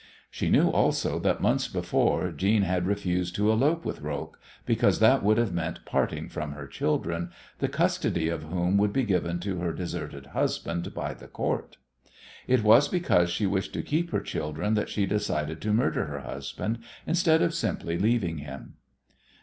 She knew also that months before Jeanne had refused to elope with Roques, because that would have meant parting from her children, the custody of whom would be given to her deserted husband by the Court. It was because she wished to keep her children that she decided to murder her husband instead of simply leaving him.